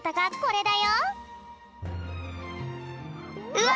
うわ！